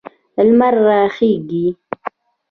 لمر راخیږي